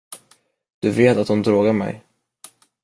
Du vet att hon drogade mig.